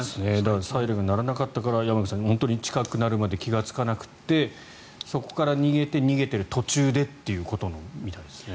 サイレンが鳴らなかったから山口さん、近くになるまで気がつかなくて、そこから逃げて逃げている途中でっていうことみたいですね。